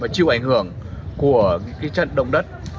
chịu ảnh hưởng của trận đồng đất